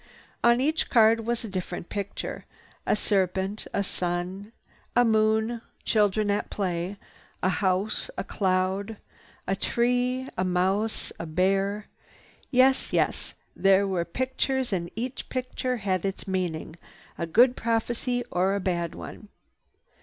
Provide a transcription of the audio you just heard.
On each card was a different picture, a serpent, a sun, a moon, children at play, a house, a cloud, a tree, a mouse, a bear; yes, yes, there were pictures and each picture had its meaning, a good prophecy or a bad one.